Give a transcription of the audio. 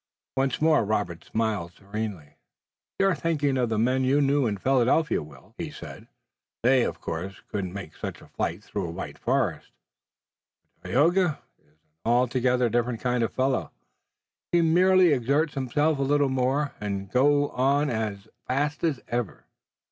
Once more Robert smiled serenely. "You're thinking of the men you knew in Philadelphia, Will," he said. "They, of course, couldn't make such a flight through a white forest, but Tayoga is an altogether different kind of fellow. He'll merely exert himself a little more, and go on as fast as ever."